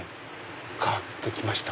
変わって来ました！